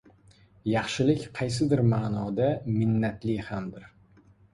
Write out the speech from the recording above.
Yaxshilik, qaysidir ma’noda, minnatli hamdir.